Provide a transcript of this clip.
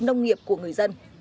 nông nghiệp của người dân